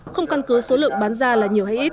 không căn cứ số lượng bán ra là nhiều hay ít